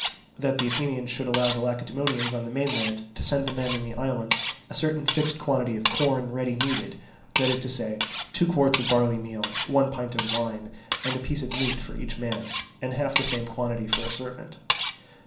That the Athenians should allow the Lacedaemonians on the mainland to send to the men in the island a certain fixed quantity of corn ready kneaded, that is to say, two quarts of barley meal, one pint of wine, and a piece of meat for each man, and half the same quantity for a servant.